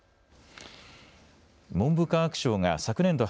文部科学省が昨年度